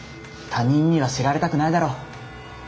他人には知られたくないだろ。